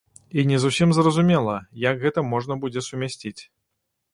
І не зусім зразумела, як гэта можна будзе сумясціць.